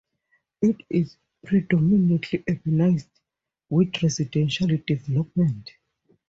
It is predominantly urbanised, with residential development.